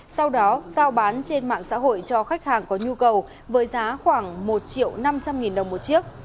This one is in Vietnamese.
sau đó giao bán trên mạng xã hội cho khách hàng có nhu cầu với giá khoảng một triệu năm trăm linh nghìn đồng một chiếc